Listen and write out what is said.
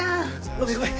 ごめんごめん。